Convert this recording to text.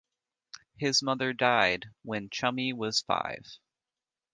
His mother died when 'Chummy' was five.